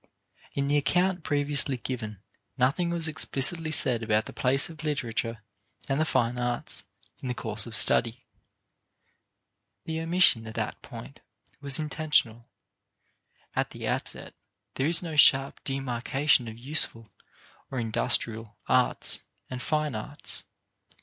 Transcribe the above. In the account previously given nothing was explicitly said about the place of literature and the fine arts in the course of study. The omission at that point was intentional. At the outset, there is no sharp demarcation of useful, or industrial, arts and fine arts.